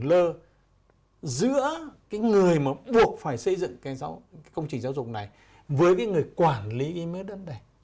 lơ giữa cái người mà buộc phải xây dựng cái giáo công trình giáo dục này với cái người quản lý cái mé đất này